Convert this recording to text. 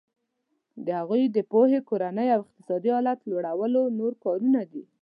د هغوی د پوهې کورني او اقتصادي حالت لوړول نور کارونه دي.